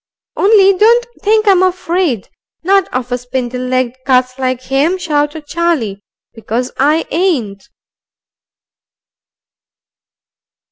"Only don't think I'm afraid, not of a spindle legged cuss like him," shouted Charlie. "Because I ain't."